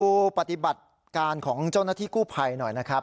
ปฏิบัติการของเจ้าหน้าที่กู้ภัยหน่อยนะครับ